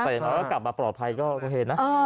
แต่อย่างน้อยก็กลับมาปลอดภัยก็โอเคนะ